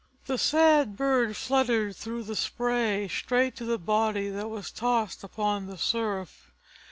The sad bird fluttered through the spray straight to the body that was tossed upon the surf.